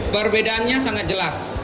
perbedaannya sangat jelas